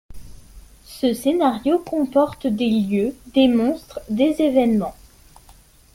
Ce scénario comporte des lieux, des monstres, des événements.